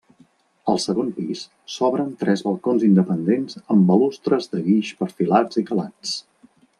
Al segon pis, s'obren tres balcons independents amb balustres de guix perfilats i calats.